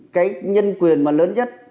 cái nhân quyền mà lớn nhất